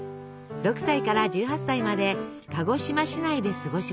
６歳から１８歳まで鹿児島市内で過ごしました。